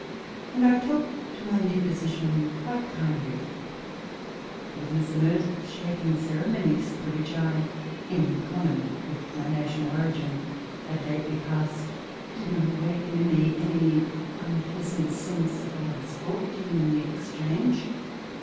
And I took to my new position quite kindly ; even some earth shaking ceremonies through which I, in common with my nation of origin, had lately passed, did not awaken in me any unpleasant sense of what I was forfeiting in the exchange.